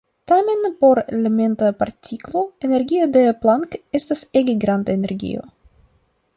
Tamen por elementa partiklo energio de Planck estas ege granda energio.